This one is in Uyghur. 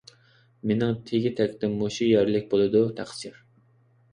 مېنىڭ تېگى - تەكتىم مۇشۇ يەرلىك بولىدۇ، تەقسىر.